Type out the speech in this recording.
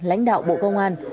lãnh đạo bộ công an